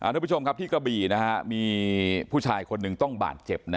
ทุกผู้ชมครับที่กระบี่มีผู้ชายคนหนึ่งต้องบาดเจ็บ